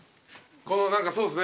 何かそうっすね。